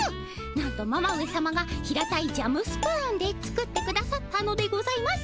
なんとママ上さまが平たいジャムスプーンで作ってくださったのでございます。